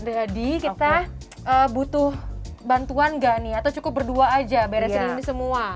jadi kita butuh bantuan nggak nih atau cukup berdua aja beresin ini semua